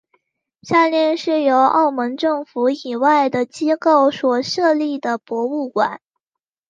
下列是由澳门政府以外的机构所设立的博物馆。